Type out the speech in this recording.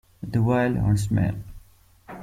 The wild huntsman.